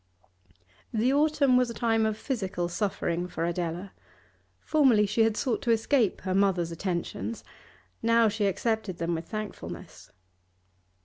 The autumn was a time of physical suffering for Adela. Formerly she had sought to escape her mother's attentions, now she accepted them with thankfulness.